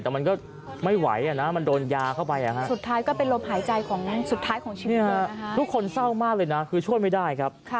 แต่มันก็ไม่ไหวนะมันโดนยาเข้าไปสุดท้ายก็เป็นลมหายใจของสุดท้ายของเชื้อทุกคนเศร้ามากเลยนะคือช่วยไม่ได้ครับ